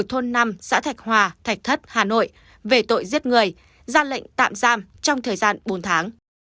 thôn năm xã thạch hòa thạch thất hà nội về tội giết người ra lệnh tạm giam trong thời gian bốn tháng